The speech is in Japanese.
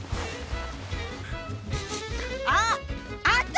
あっあんた！